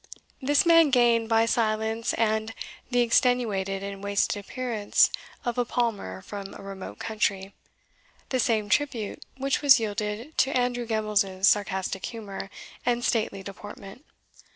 This man gained, by silence and the extenuated and wasted appearance of a palmer from a remote country, the same tribute which was yielded to Andrew Gemmells' sarcastic humour and stately deportment.